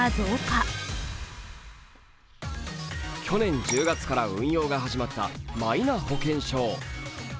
去年１０月から運用が始まったマイナ保険証。